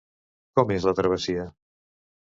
Com és la travessia?